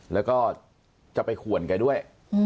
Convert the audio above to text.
แล้วก็จะไปขวนแกด้วย